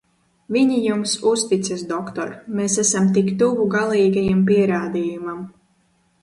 Viņi jums uzticas, doktor, mēs esam tik tuvu galīgajam pierādījumam!